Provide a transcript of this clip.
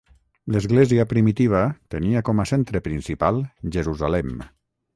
L'església primitiva tenia com a centre principal Jerusalem.